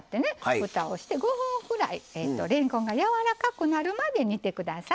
ふたをして５分くらいれんこんがやわらかくなるまで煮て下さい。